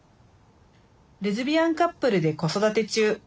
「レズビアンカップルで子育て中。